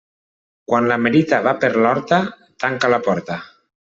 Quan la merita va per l'horta, tanca la porta.